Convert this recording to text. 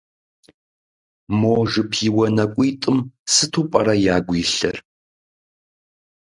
Мо жыпиуэ нэкӏуитӏым сыту пӏэрэ ягу илъыр?